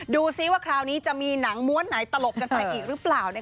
ดูซิว่าคราวนี้จะมีหนังม้วนไหนตลบกันไปอีกหรือเปล่า